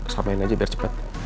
samain aja biar cepet